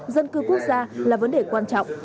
dân cư quốc gia là vấn đề quan trọng